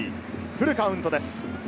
フルカウントです。